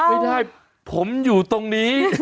ไม่ได้ผมอยู่ตรงนี้